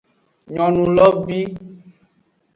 Nyonu lo bi.